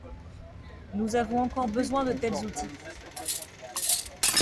Nous avons encore besoin de tels outils.